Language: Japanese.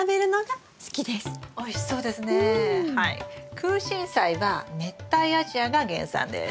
クウシンサイは熱帯アジアが原産です。